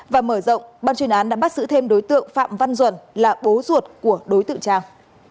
và mở rộng ban chuyên án đã bắt giữ thêm đối tượng phạm văn duẩn là bố ruột của đối tượng trang